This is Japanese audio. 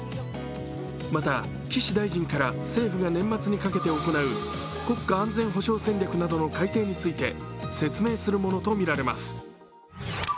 また、岸大臣から、政府が年末にかけて行う国家安全保障戦略などの改定について説明するものとみられます。